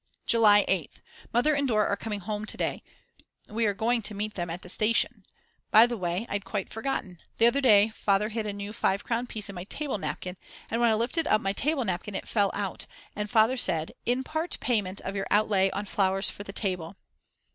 July 8th. Mother and Dora are coming home today. We are going to meet them at the station. By the way, I'd quite forgotten. The other day Father hid a new 5 crown piece in my table napkin, and when I lifted up my table napkin it fell out, and Father said: In part payment of your outlay on flowers for the table.